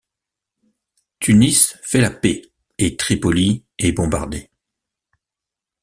Tunis fait la paix, et Tripoli est bombardée.